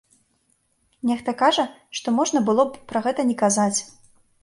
Нехта кажа, што можна было б пра гэта не казаць.